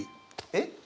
えっ？